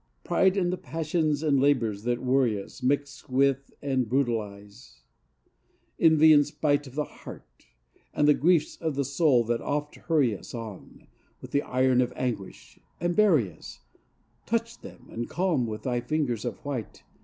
Pride and the passions and labors that worry us Mix with and brutalize; envy and spite Of the heart; and the griefs of the soul that oft hurry us On, with the iron of anguish, and bury us, Touch them and calm with thy fingers of white.